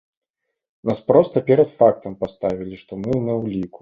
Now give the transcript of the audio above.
Нас проста перад фактам паставілі, што мы на ўліку.